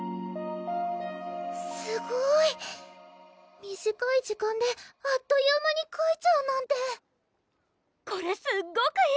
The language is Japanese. すごい短い時間であっという間にかいちゃうなんてこれすっごくいい！